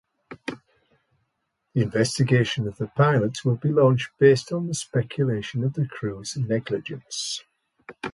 An investigation of the pilots will be launched based on speculations of crew negligence.